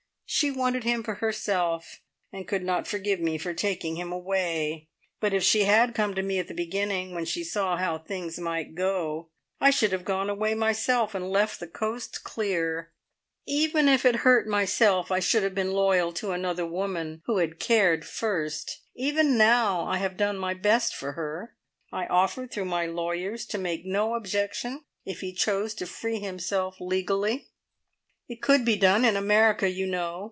She wanted him for herself, and could not forgive me for taking him away; but if she had come to me at the beginning, when she saw how things might go, I should have gone away myself and left the coast clear. Even if it hurt myself, I should have been loyal to another woman who had cared first! Even now I have done my best for her. I offered, through my lawyers, to make no objection if he chose to free himself legally. It could be done in America, you know.